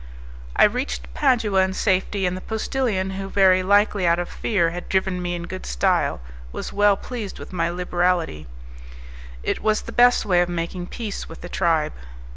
I reached Padua in safety, and the postillion, who very likely out of fear had driven me in good style, was well pleased with my liberality; it was the best way of making peace with the tribe.